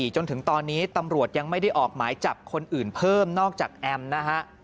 จนถึงตอนนี้ตำรวจยังไม่ได้ออกหมายจับคนอื่นเพิ่มนอกจากแอมนะฮะ